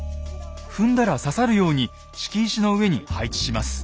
踏んだら刺さるように敷石の上に配置します。